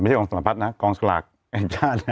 ไม่ใช่ของสมรรพัฒน์นะกองสลากแอบชาติ